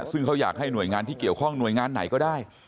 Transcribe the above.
ซึ่งเขาอยากให้หน่วยงานที่เกี่ยวข้องหน่วยงานไหนก็ได้